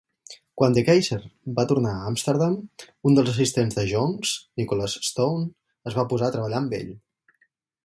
Quan De Keyser va tornar a Amsterdam, un dels assistents de Jones, Nicholas Stone, es va posar a treballar amb ell.